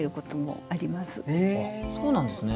そうなんですね。